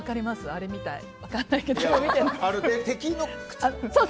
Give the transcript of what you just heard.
あれみたいな。